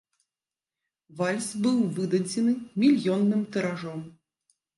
Вальс быў выдадзены мільённым тыражом.